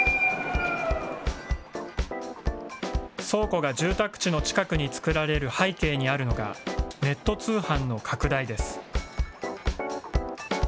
倉庫が住宅地の近くにつくられる背景にあるのが、ネット通販の拡大です。